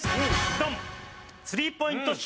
ドン！